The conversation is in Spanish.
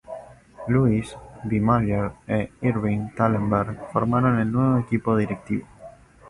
Louis B. Mayer e Irving Thalberg formaron el nuevo equipo directivo.